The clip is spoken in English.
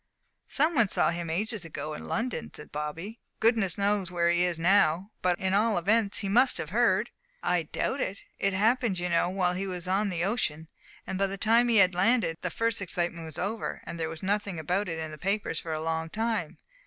"Some one saw him ages ago in London," said Bobby. "Goodness knows where he is now. But in all events, he must have heard." "I doubt it. It happened, you know, while he was on the ocean, and by the time he had landed, the first excitement was over, and there was nothing about it in the papers for a long time.